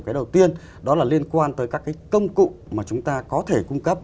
cái đầu tiên đó là liên quan tới các cái công cụ mà chúng ta có thể cung cấp